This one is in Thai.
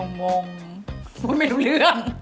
งงพูดไม่รู้เรื่อง